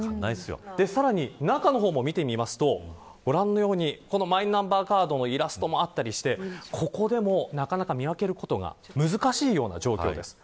さらに中の方も見てみますとご覧のようにマイナンバーカードのイラストもあったりしてここでも、なかなか見分けることが難しいような状況です。